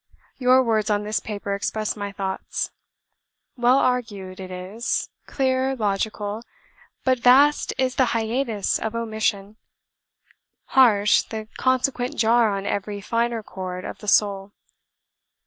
Your words on this paper express my thoughts. Well argued it is, clear, logical, but vast is the hiatus of omission; harsh the consequent jar on every finer chord of the soul.